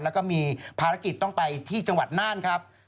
แล้วก็มีภารกิจต้องไปที่จังหวัดน่านครับ